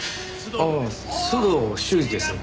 ああ須藤修史です。